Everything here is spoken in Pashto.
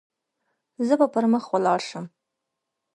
زه به پر مخ ولاړ شم.